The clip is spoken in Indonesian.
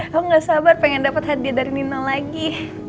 aku gak sabar pengen dapet hadiah dari nino lagi